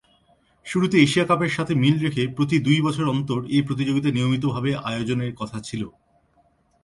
শুরুতে এশিয়া কাপের সাথে মিল রেখে প্রতি দুই বছর অন্তর এ প্রতিযোগিতা নিয়মিতভাবে আয়োজনের কথা ছিল।